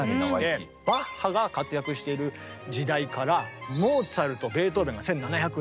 バッハが活躍している時代からモーツァルトベートーベンが１７００年代。